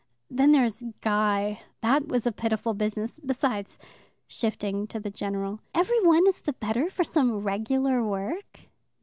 Then there's Guy. That was a pitiful business. Besides" shifting to the general " every one is the better for some regular work."